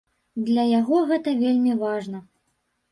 Для яго гэта вельмі важна.